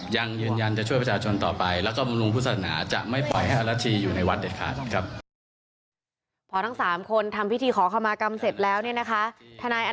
ยังยืนยันจะช่วยประชาชนต่อไปและก็บำรุงพุทธธนา